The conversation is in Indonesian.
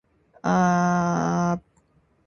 Kami sedang rapat.